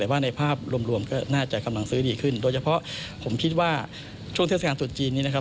แต่ว่าในภาพรวมก็น่าจะกำลังซื้อดีขึ้นโดยเฉพาะผมคิดว่าช่วงเทศกาลตรุษจีนนี้นะครับ